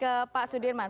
ke pak sudirman